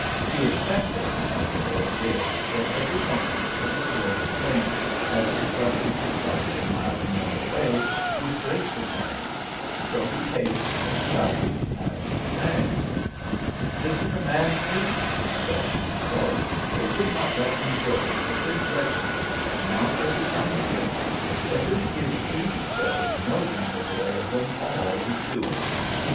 He expected, as they all did, that every moment the whistle of the train, as it swept into sight a mile or more away, would break the silence; so he paced, and shouted, and sang. "This is a man's duty," he said to himself: "they would not let me go with the fifth regiment, not as a drummer boy; but this is duty such as no drummer boy of them all is doing.